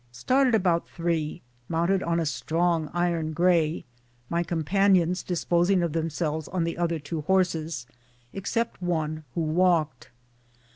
Started about 3, mounted on a strong iron grey, my companions disposing of themselves on the other two horses, except one, who walked.